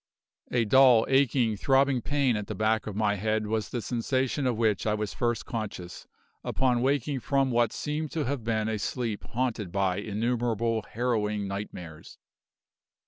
A dull, aching, throbbing pain at the back of my head was the sensation of which I was first conscious upon awaking from what seemed to have been a sleep haunted by innumerable harrowing nightmares.